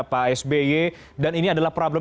pak sby dan ini adalah problem